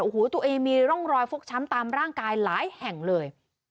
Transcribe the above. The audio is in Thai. โอ้โหตัวเองมีร่องรอยฟกช้ำตามร่างกายหลายแห่งเลย